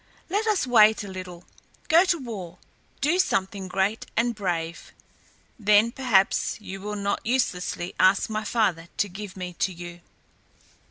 Let us wait a little. Go to war. Do something great and brave. Then perhaps you will not uselessly ask my father to give me to you."